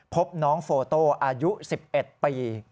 พบน้องโฟโต้อายุ๑๑ปี